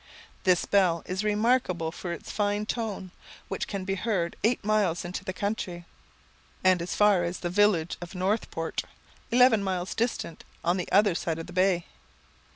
This bell is remarkable for its fine tone, which can be heard eight miles into the country, and as far as the village of Northport, eleven miles distant, on the other side of the bay.